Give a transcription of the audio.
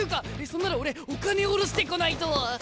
そんなら俺お金下ろしてこないと！